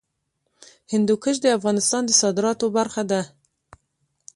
هندوکش د افغانستان د صادراتو برخه ده.